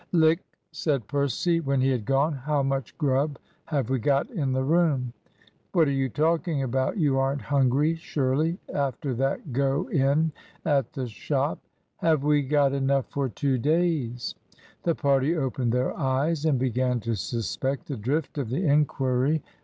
"Lick," said Percy, when he had gone, "how much grub have we got in the room?" "What are you talking about? You aren't hungry surely, after that go in at the shop?" "Have we got enough for two days?" The party opened their eyes, and began to suspect the drift of the inquiry.